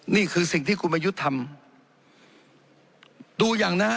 นี่คือสิ่งที่คุณประยุทธ์ทำดูอย่างนะฮะ